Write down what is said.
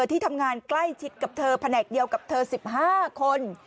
ที่ทำงานใกล้ชิดกับเธอแผนกเดียวกับเธอ๑๕คน